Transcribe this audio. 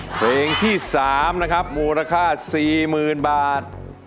เพลงที่๓นะครับมูลค่า๔๐๐๐บาท